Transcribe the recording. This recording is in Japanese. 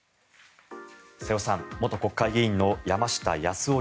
瀬尾さん、元国会議員の山下八洲夫